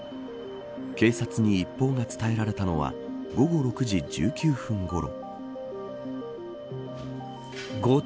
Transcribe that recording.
警察に一報が伝えられたのは午後６時１９分ごろ。